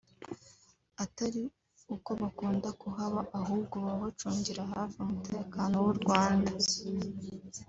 atari uko bakunda kuhaba ahubwo baba bacungira hafi umutekano w’u Rwanda